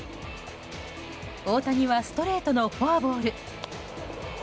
大谷はストレートのフォアボール。